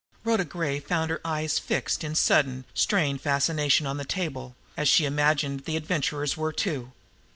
Rhoda Gray found her eyes fixed in sudden, strained fascination on the table as, she imagined, the Adventurer's were too.